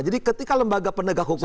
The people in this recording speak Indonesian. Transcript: jadi ketika lembaga pendegah hukumnya